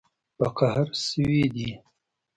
په قهر شوي دي